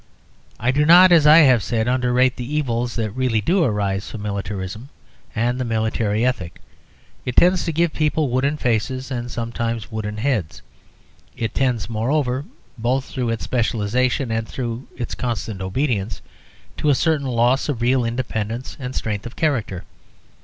I do not, as I have said, underrate the evils that really do arise from militarism and the military ethic. It tends to give people wooden faces and sometimes wooden heads. It tends moreover (both through its specialisation and through its constant obedience) to a certain loss of real independence and strength of character.